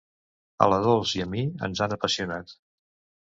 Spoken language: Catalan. A la Dols i a mi ens han apassionat.